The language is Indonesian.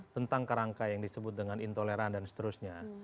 tentang kerangka yang disebut dengan intoleran dan seterusnya